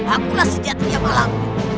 akulah si jatuhnya malamu